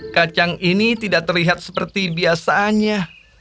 kacang ini tidak terlihat seperti biasanya